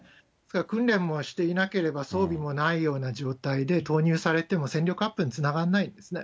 訓練もしていなければ、装備もないような状態で導入されても、戦力アップにつながらないですね。